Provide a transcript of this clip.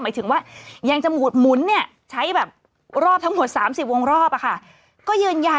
หมายถึงว่ายังจะหมุนเนี่ยใช้แบบรอบทั้งหมด๓๐วงรอบอะค่ะ